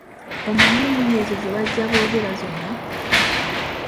Omanyi ennimi ezo ze bajja boogera zonna?